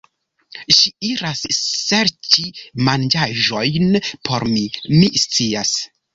Ŝi iras serĉi manĝaĵojn por mi, mi scias